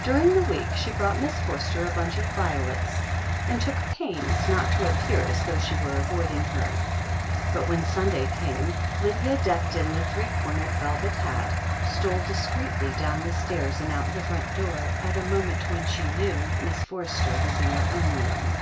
During the week she brought Miss Forster a btmch of violets, and took pains not to appear as though she were avoiding her. But when Sunday came, Lydia, decked in the three cornered velvet hat, stole discreetly down the stairs and out of the front door at a moment when she knew that Miss Forster was in her own room.